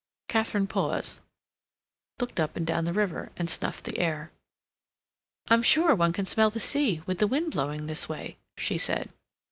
Katharine paused, looked up and down the river, and snuffed the air. "I'm sure one can smell the sea, with the wind blowing this way," she said.